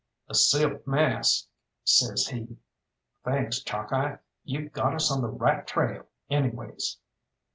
"A silk mask," says he. "Thanks, Chalkeye you've got us on the right trail, anyways."